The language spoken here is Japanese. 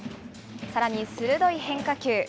さらに鋭い変化球。